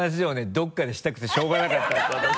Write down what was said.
どこかでしたくてしょうがなかったんです私。